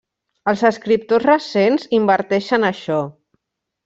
Els escriptors recents inverteixen això.